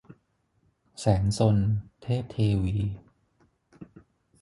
แสนซน - เทพเทวี